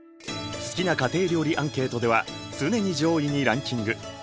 好きな家庭料理アンケートでは常に上位にランキング。